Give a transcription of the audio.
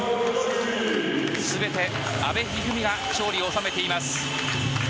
全て阿部一二三が勝利を収めています。